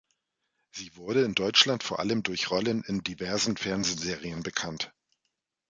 Sie wurde in Deutschland vor allem durch Rollen in diversen Fernsehserien bekannt.